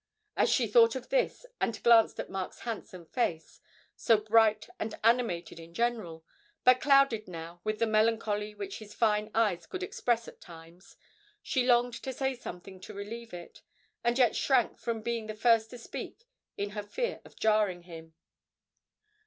As she thought of this and glanced at Mark's handsome face, so bright and animated in general, but clouded now with the melancholy which his fine eyes could express at times, she longed to say something to relieve it, and yet shrank from being the first to speak in her fear of jarring him.